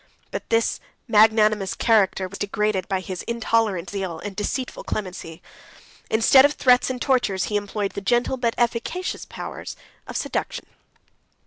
But this magnanimous character was degraded by his intolerant zeal and deceitful clemency. Instead of threats and tortures, he employed the gentle, but efficacious, powers of seduction.